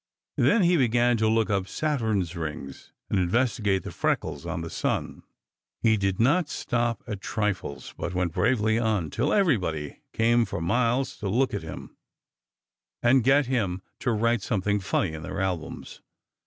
Then he began to look up Saturn's rings and investigate the freckles on the sun. He did not stop at trifles, but went bravely on till everybody came for miles to look at him and get him to write something funny in their albums.